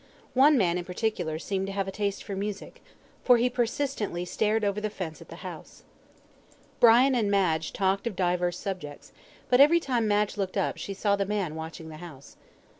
One man in particular seemed to have a taste for music, for he persistently stared over the fence at the house. Brian and Madge talked of divers subjects, but every time Madge looked up she saw the man watching the house.